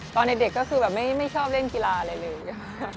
ตอนในเด็กก็คือไม่ชอบเล่นกีฬาอะไรเลย